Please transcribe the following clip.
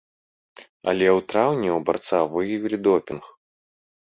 Але ў траўні ў барца выявілі допінг.